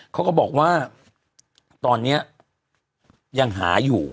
เขาก็บอกว่าตอนนี้ยังหาอยู่